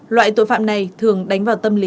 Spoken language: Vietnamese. loại tội phạm này thường đánh vào tâm lý